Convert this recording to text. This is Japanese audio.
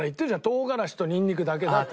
唐辛子とニンニクだけだって。